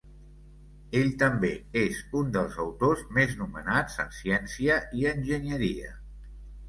Ell també és un dels autors més nomenats en ciència i enginyeria.